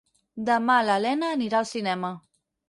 Demà na Lena anirà al cinema.